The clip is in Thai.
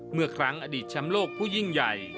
เมื่อครั้งอดีตแชมป์โลกผู้ยิ่งใหญ่